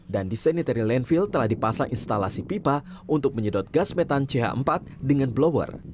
dan di sanitary landfill telah dipasang instalasi pipa untuk menyedot gas metan ch empat dengan blower